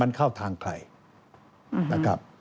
มันเข้าทางใครนะครับ